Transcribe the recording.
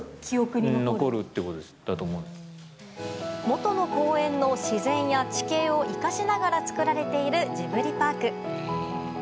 元の公園の自然や地形を生かしながら造られているジブリパーク。